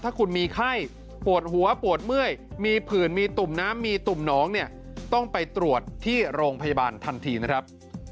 ถ้าคุณมีไข้ปวดหัวปวดเมื่อยมีผื่นมีตุ่มน้ำมีตุ่มน้องเนี่ยต้องไปตรวจที่โรงพยาบาลทันทีนะครับ